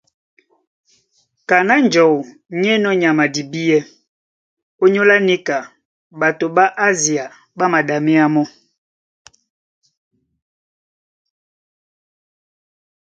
Kaná njɔu ní enɔ́ nyama a dibíɛ́, ónyólá níka ɓato ɓá Asia ɓá maɗaméá mɔ́.